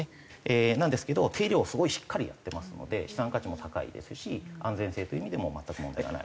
なんですけど手入れをすごいしっかりやってますので資産価値も高いですし安全性という意味でも全く問題がない。